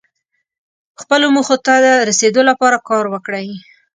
خپلو موخو ته رسیدو لپاره کار وکړئ.